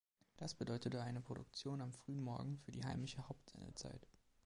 Das bedeutete eine Produktion am frühen Morgen für die heimische Hauptsendezeit.